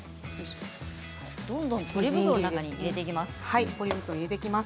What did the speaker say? どんどんポリ袋の中に入れていきます。